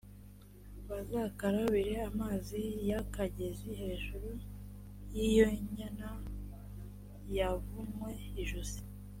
bazakarabire amazi y’akagezi hejuru y’iyo nyana yavunwe ijosi,